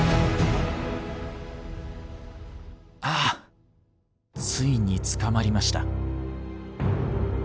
ああついに捕まりました。